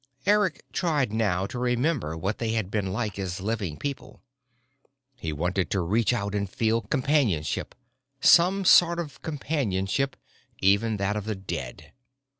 Eric tried now to remember what they had been like as living people. He wanted to reach out and feel companionship, some sort of companionship, even that of the dead.